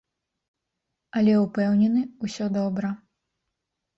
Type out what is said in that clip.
Але ўпэўнены, усё добра.